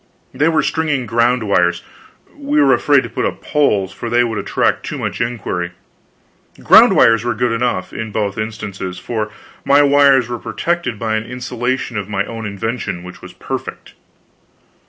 They were stringing ground wires; we were afraid to put up poles, for they would attract too much inquiry. Ground wires were good enough, in both instances, for my wires were protected by an insulation of my own invention which was perfect.